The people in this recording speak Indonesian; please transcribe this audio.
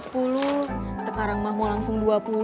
sekarang mah mau langsung dua puluh